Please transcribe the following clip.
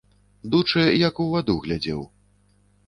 Дучэ як у ваду глядзеў.